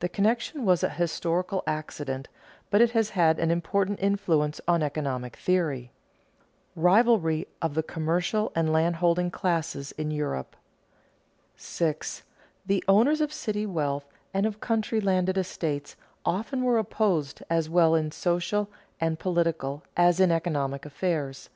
The connection was a historical accident, but it has had an important influence on economic theory. [Sidenote: Rivalry of the commercial and landholding classes in Europe] 6. _The owners of city wealth and of country landed estates often were opposed as well in social and political as in economic affairs.